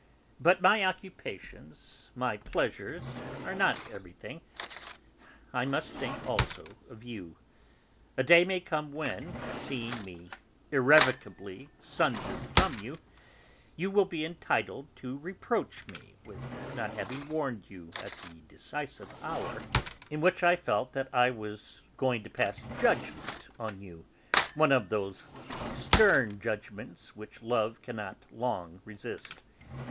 But my occupations, my pleasures are not everything; I must think of you also. A day may come when, seeing me irrevocably sundered from you, you will be entitled to reproach me with not having warned you at the decisive hour in which I felt that I was going to pass judgment on you, one of those stern judgments which love cannot long resist.